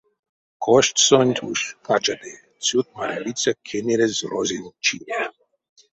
Коштсонть уш качады цють марявиця кенерезь розень чине.